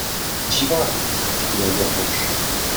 J'y vas, cria Gavroche.